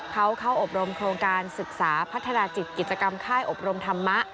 เขาเข้าอบรมโครงการศึกษาพัฒนาจิตกิจกรรมค่ายอบรมธรรมะ